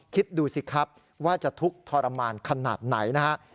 คิดดูสิครับว่าจะทุกข์ทรมานขนาดไหนนะฮะ